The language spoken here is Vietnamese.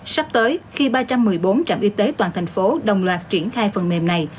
sắp tới khi ba trăm một mươi bốn trạm y tế toàn thành phố đồng loạt triển khai phần mềm này